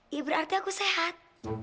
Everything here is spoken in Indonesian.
ya berarti aku sehat